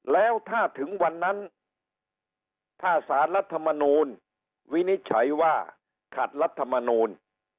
แล้วถ้าถึงวันนั้นถ้าสารรัฐมนูลวินิจฉัยว่าขัดรัฐมนูล